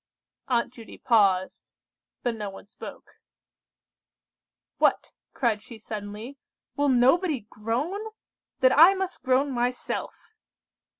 Aunt Judy paused, but no one spoke. "What!" cried she suddenly, "will nobody groan? Then I must groan myself!"